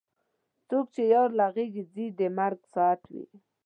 څوک چې یار له غېږې ځي د مرګ ساعت وي.